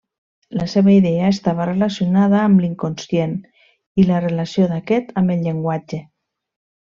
La seva idea estava relacionada amb l’inconscient i la relació d’aquest amb el llenguatge.